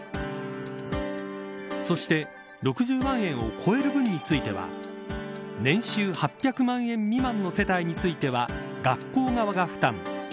そして６０万円を超える分については年収８００万円未満の世帯については学校側が負担。